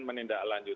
terima kasih pak